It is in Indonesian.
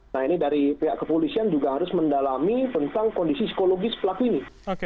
nah ini dari pihak kepolisian juga harus mendalami tentang kondisi psikologis pelaku ini